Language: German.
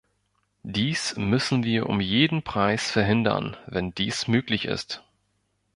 Dies müssen wir um jeden Preis verhindern, wenn dies möglich ist.